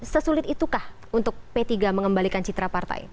sesulit itukah untuk p tiga mengembalikan citra partai